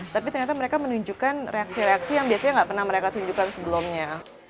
tapi ternyata mereka menunjukkan reaksi reaksi yang biasanya nggak pernah mereka tunjukkan sebelumnya